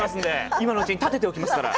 今のうちにたてておきますから。